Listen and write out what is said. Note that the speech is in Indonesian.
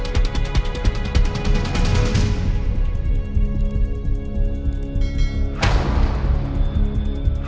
tante itu sudah berubah